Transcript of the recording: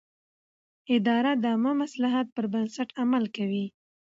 اداره د عامه مصلحت پر بنسټ عمل کوي.